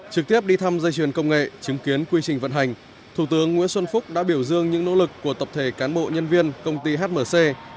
trực tiếp đi thăm dây chuyền công nghệ chứng kiến quy trình vận hành thủ tướng nguyễn xuân phúc đã biểu dương những nỗ lực của tập thể cán bộ nhân viên công ty hmc